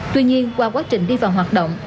tuy nhiên qua quá trình đi vào hoạt động